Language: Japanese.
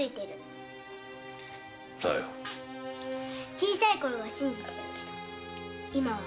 小さいころは信じてたけど今は。